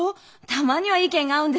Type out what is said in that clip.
たまには意見が合うんですね。